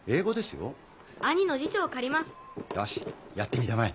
よしやってみたまえ。